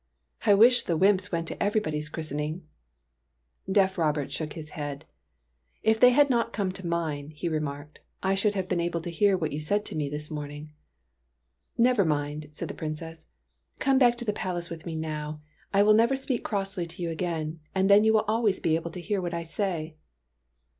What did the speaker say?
" I wish the wymps went to everybody's chris tening !" Deaf Robert shook his head. " If they had not come to mine," he remarked, ''1 should have been able to hear what you said to me this morning." " Never mind !" said the Princess. '' Come back to the palace with me now ; I will never speak crossly to you again, and then you will always be able to hear what I say."